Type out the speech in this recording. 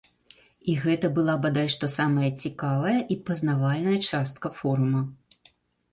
І гэта была бадай што самая цікавая і пазнавальная частка форума.